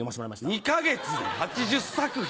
２か月で８０作品？